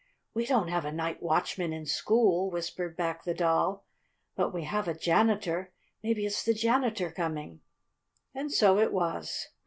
"We don't have a night watchman in school," whispered back the Doll. "But we have a janitor. Maybe it's the janitor coming." And so it was.